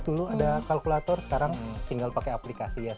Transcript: dulu ada kalkulator sekarang tinggal pakai aplikasi ya